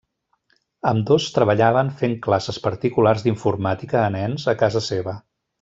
Ambdós treballaven fent classes particulars d'informàtica a nens a casa seva.